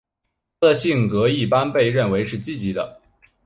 她的性格一般被认为是积极的。